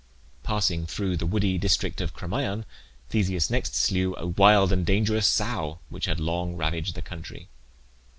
Passing through the woody district of Crommyon Theseus next slew a wild and dangerous sow which had long ravaged the country.